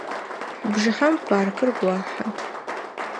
Бжыхьэм паркыр гохьы.